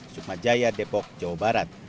sukmajaya depok jawa barat